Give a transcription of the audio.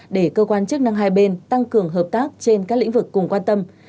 để cơ quan chức năng hai bên tăng cường hợp tác trên các lĩnh vực cùng quan tâm